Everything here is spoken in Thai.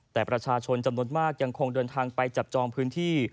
แต่ประชาชนจำนวนมากยังคงเดินทางไปจับจองพื้นที่